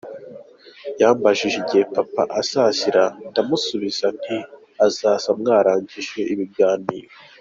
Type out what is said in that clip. Yambajije igihe Papa azazira ndamusubiza nti azaza mwarangije ibiganiro.